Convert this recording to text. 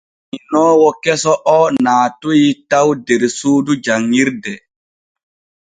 Janŋinoowo keso o naatoy taw der suudu janŋirde.